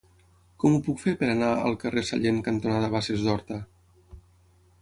Com ho puc fer per anar al carrer Sallent cantonada Basses d'Horta?